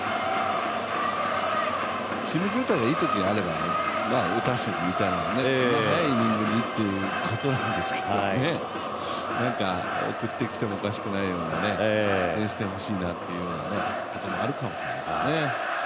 チーム状態がいいときがあれば打たすみたいなね、こんな早いイニングにってことですけどなんか送ってきてもおかしくないような先取点ほしいなっていうのはあるかもしれないですね。